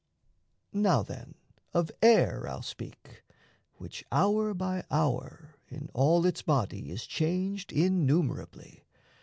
Now, then, of air I'll speak, which hour by hour in all its body Is changed innumerably.